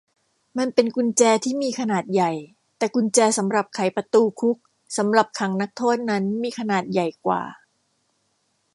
มันเป็นกุญแจที่มีขนาดใหญ่ แต่กุญแจสำหรับไขประตูคุกสำหรับขังนักโทษนั้นมีขนาดใหญ่กว่า